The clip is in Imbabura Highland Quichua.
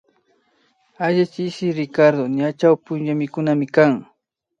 Alli chishi Ricardo ña chawpunchamikunamikan